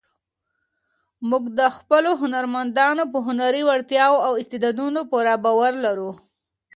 موږ د خپلو هنرمندانو په هنري وړتیاوو او استعدادونو پوره باور لرو.